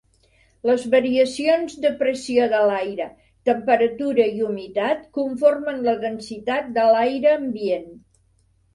Les variacions de pressió de l'aire, temperatura i humitat conformen la densitat de l'aire ambient.